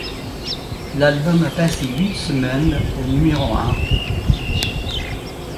L'album a passé huit semaines au numéro un.